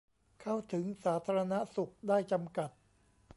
เข้าถึงสาธารณสุขได้จำกัด